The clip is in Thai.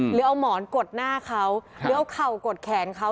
หรือเอาหมอนกดหน้าเขาหรือเอาเข่ากดแขนเขา